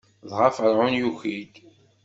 Dɣa Ferɛun yuki-d.